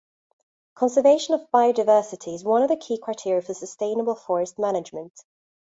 Conservation of biodiversity is one of the key criteria for sustainable forest management.